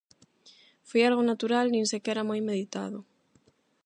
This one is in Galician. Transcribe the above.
Foi algo natural, nin sequera moi meditado.